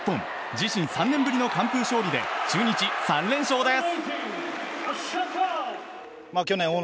自身３年ぶりの完封勝利で中日３連勝です。